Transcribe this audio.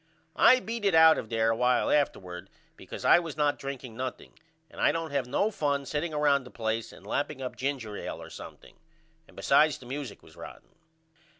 I beat it out of there a while afterward because I was not drinking nothing and I don't have no fun setting round a place and lapping up ginger ail or something. And besides the music was rotten.